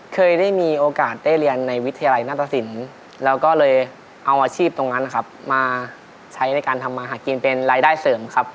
เคยได้มีโอกาสได้เรียนในวิทยาลัยหน้าตสินแล้วก็เลยเอาอาชีพตรงนั้นนะครับมาใช้ในการทำมาหากินเป็นรายได้เสริมครับ